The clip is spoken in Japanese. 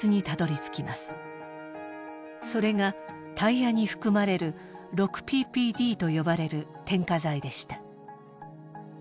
それがタイヤに含まれる６ＰＰＤと呼ばれる添加剤でした。